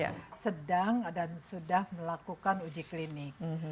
ya sedang dan sudah melakukan uji klinik